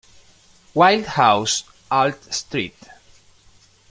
Wildhaus-Alt St.